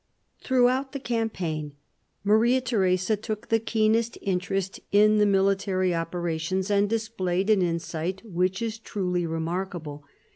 Throughout the campaign Maria Theresa took the keenest interest in the military operations and displayed an insight which is truly remarkable.